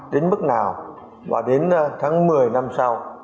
đến mức nào và đến tháng một mươi năm sau